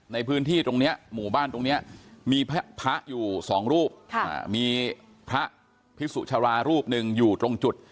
ในพื้นที่ตรงนี้หมู่บ้านตรงนี้มีพระอยู่สองรูปมีพระพิสุชรารูปหนึ่งอยู่ตรงจุด